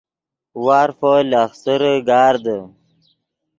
وارفو لخسرے گاردے